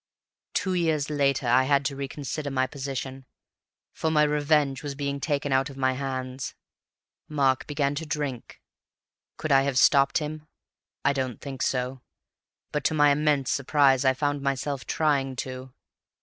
"Two years later I had to reconsider my position, for my revenge was being taken out of my hands. Mark began to drink. Could I have stopped him? I don't think so, but to my immense surprise I found myself trying to.